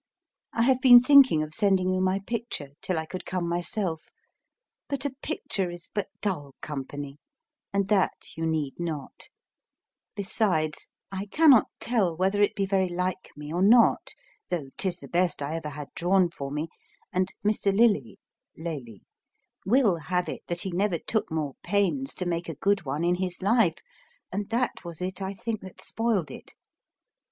I have been thinking of sending you my picture till I could come myself; but a picture is but dull company, and that you need not; besides, I cannot tell whether it be very like me or not, though 'tis the best I ever had drawn for me, and Mr. Lilly [Lely] will have it that he never took more pains to make a good one in his life, and that was it I think that spoiled it.